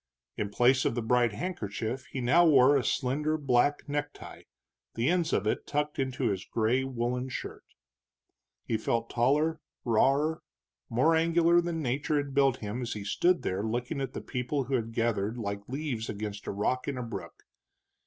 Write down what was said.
In place of the bright handkerchief he now wore a slender black necktie, the ends of it tucked into his gray woolen shirt. He felt taller, rawer, more angular than nature had built him as he stood there looking at the people who had gathered like leaves against a rock in a brook.